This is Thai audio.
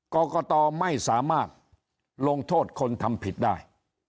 กรกตไม่สามารถลงโทษคนทำผิดได้